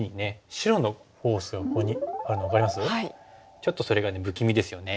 ちょっとそれが不気味ですよね。